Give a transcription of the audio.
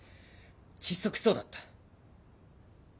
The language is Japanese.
窒息しそうだった。